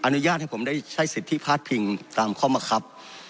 อนุญาตให้ผมได้ใช้ศิษย์ที่พาทพิงตามเข้ามาครับ